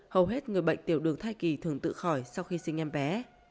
hầu hết người bệnh tiểu đường thai kỳ thường tự khỏi sau khi sinh em bé